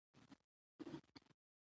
ملالۍ د خپلو خلکو غیرت راویښ کړ.